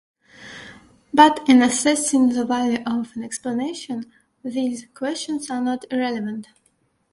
But, in assessing the value of an explanation, these questions are not irrelevant.